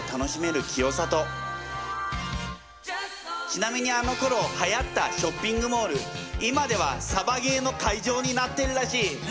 ちなみにあのころはやったショッピングモール今ではサバゲーの会場になってるらしい。